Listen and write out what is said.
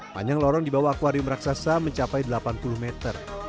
panjang lorong di bawah akwarium raksasa mencapai delapan puluh meter